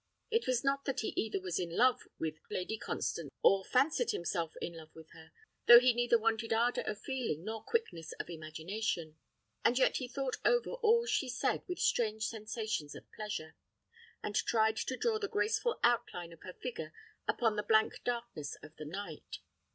It was not that he either was in love with Lady Constance, or fancied himself in love with her, though he neither wanted ardour of feeling nor quickness of imagination; and yet he thought over all she said with strange sensations of pleasure, and tried to draw the graceful outline of her figure upon the blank darkness of the night.